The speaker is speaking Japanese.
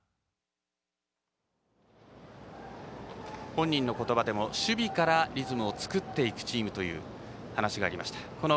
本人の言葉でも守備からリズムを作っていくチームという話がありました。